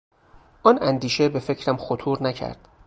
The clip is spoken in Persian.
آن اندیشه به فکرم خطور نکرد.